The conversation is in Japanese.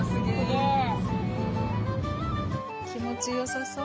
気持ちよさそう。